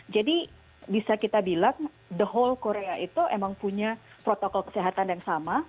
jadi bisa kita bilang the whole korea itu emang punya protokol kesehatan yang sama